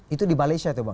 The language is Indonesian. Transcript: itu di malaysia tuh bang